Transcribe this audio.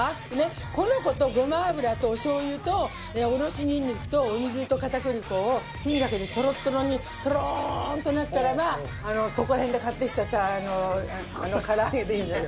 この子とごま油とおしょう油とおろしニンニクとお水と片栗粉を火にかけてトロトロにトローンとなったらばそこら辺で買ってきたさ唐揚げでいいのよ。